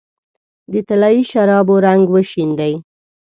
د طلايي شرابو رنګ وشیندې